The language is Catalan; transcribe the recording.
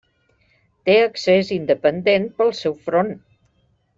Té accés independent pel seu front.